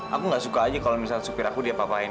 aku gak suka aja kalo misal supir aku diapapain